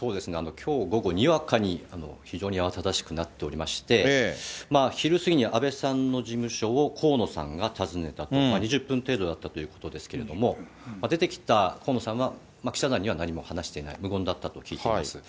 きょう午後、にわかに非常に慌ただしくなっておりまして、昼過ぎに安倍さんの事務所を河野さんが訪ねたと、２０分程度だったということですけれども、出てきた河野さんは、記者団には何も話していない、無言だったと聞いております。